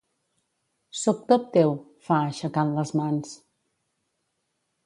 Soc tot teu —fa, aixecant les mans.